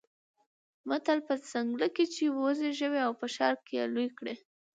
متل: په ځنګله کې يې وزېږوه او په ښار کې يې لوی کړه.